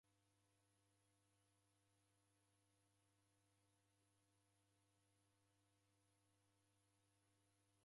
W'aw'ibonya malaika w'ake w'iw'uye mbeo.